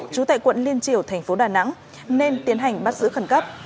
trú tại quận liên triều tp đà nẵng nên tiến hành bắt giữ khẩn cấp